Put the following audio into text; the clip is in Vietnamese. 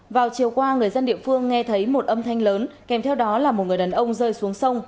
vào chiều qua người dân địa phương nghe thấy một âm thanh lớn kèm theo đó là một người đàn ông rơi xuống sông